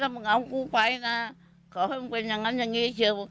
มึงเอากูไปนะขอให้มึงเป็นอย่างนั้นอย่างนี้เชียว